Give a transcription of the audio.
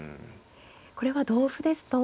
これは同歩ですと。